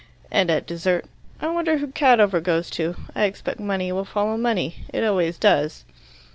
And at dessert: "I wonder who Cadover goes to? I expect money will follow money. It always does."